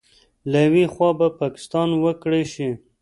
له یوې خوا به پاکستان وکړې شي